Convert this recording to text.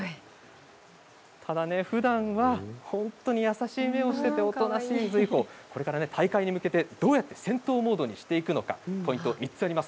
ただ、ふだん本当に優しい目をしておとなしい瑞宝これから大会に向けてどうやって戦闘モードにしていくのかポイントが３つあります。